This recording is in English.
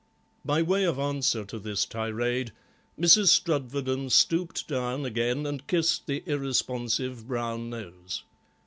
By way of answer to this tirade Mrs. Strudwarden stooped down again and kissed the irresponsive brown nose.